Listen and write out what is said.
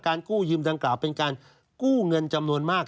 กู้ยืมดังกล่าวเป็นการกู้เงินจำนวนมาก